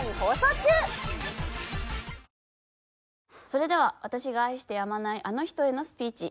それでは「私が愛してやまないあの人へのスピーチ」。